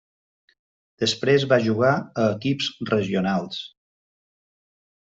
Després va jugar a equips regionals.